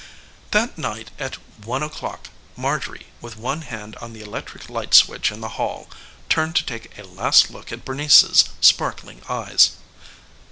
That night at one o'clock Marjorie, with one hand on the electric light switch in the hall, turned to take a last look at Bernice's sparkling eyes.